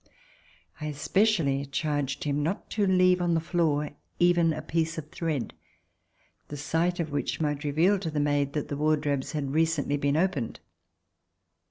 I especially charged him not to leave on the floor even a piece of thread, the sight of which might reveal to the maid that the wardrobes had recently been opened.